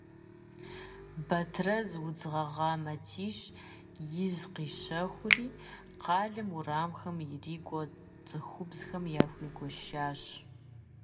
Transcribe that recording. Бэтрэз удз гъэгъа матищ из къищэхури, къалэ уэрамхэм ирикӏуэ цӏыхубзхэм яхуигуэшащ.